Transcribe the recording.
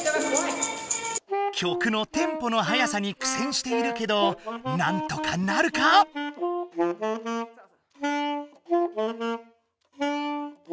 曲のテンポの速さにくせんしているけどなんとかなるか⁉お！